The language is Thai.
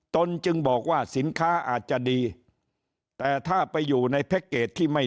ตนจึงบอกว่าสินค้าอาจจะดีแต่ถ้าไปอยู่ในแพ็คเกจที่ไม่